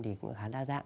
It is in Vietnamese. thì cũng khá là đa dạng